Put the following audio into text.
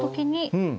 うん。